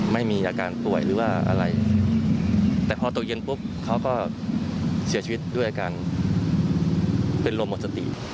ไม่มีอาการป่วยหรือว่าอะไรแต่พอตกเย็นปุ๊บเขาก็เสียชีวิตด้วยอาการเป็นลมหมดสติ